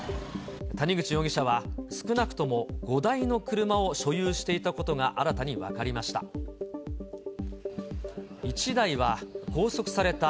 谷口容疑者は、少なくとも５台の車を所有していたことが新たに分かりました。